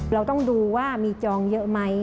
เราต้องดูว่ามีจองเยอะไหม